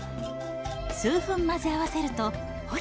数分混ぜ合わせるとほら。